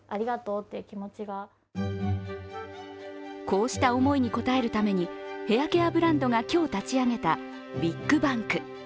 こうした思いに応えるために、ヘアケアブランドが今日立ち上げた、ウイッグバンク。